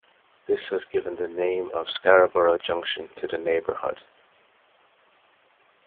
This has given the name of Scarborough Junction to the neighbourhood.